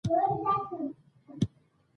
موږ باید په لیک او لوست کې احتیاط وکړو